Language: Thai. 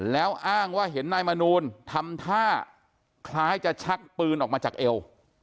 แล้วอ้างว่าเห็นนายมนูลทำท่าคล้ายจะชักปืนออกมาจากเอว